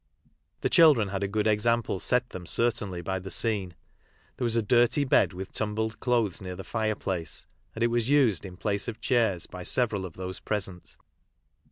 The children had a good example set them certainly by i the scene. There was a dirty bed with tumbled clothes near the fire place, aud it was used in place of chairs by several of those present.